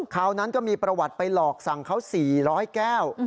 นั้นก็มีประวัติไปหลอกสั่งเขา๔๐๐แก้ว